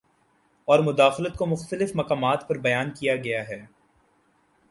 اور مداخلت کو مختلف مقامات پر بیان کیا گیا ہے